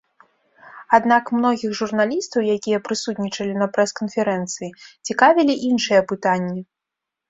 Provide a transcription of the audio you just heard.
Аднак многіх журналістаў, якія прысутнічалі на прэс-канферэнцыі, цікавілі іншыя пытанні.